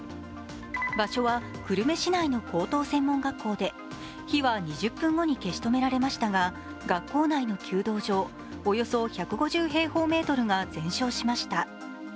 場所は久留米市内の高等専門学校で火は２０分後に消し止められましたが学校内の弓道場、およそ１５０平方メートルが全焼しました。